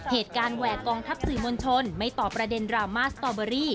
เหตุการณ์แวะกองทัพสื่อมวลชนไม่ตอบประเด็นรามาสตอเบอรี่